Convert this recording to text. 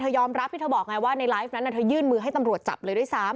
ยอมรับที่เธอบอกไงว่าในไลฟ์นั้นเธอยื่นมือให้ตำรวจจับเลยด้วยซ้ำ